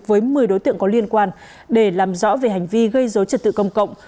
với một mươi đối tượng có liên quan để làm rõ về hành vi gây dối trật tự công cộng